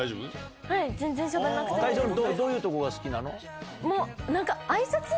はい、どういうところが好きなの？